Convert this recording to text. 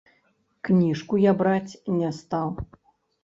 Кніжку я браць не стаў.